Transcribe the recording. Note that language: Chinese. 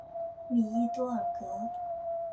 米伊多尔格。